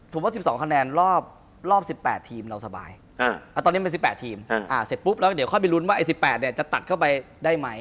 ผมว่า๑๒คะแนนรอบ๑๘ทีมเราสบายตอนนี้เป็น๑๘ทีมเสร็จปุ๊บแล้วเดี๋ยวค่อยไปลุ้นว่าไอ้๑๘จะตัดเข้าไปได้ไหม